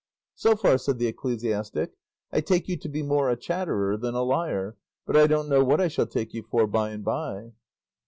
"So far," said the ecclesiastic, "I take you to be more a chatterer than a liar; but I don't know what I shall take you for by and by."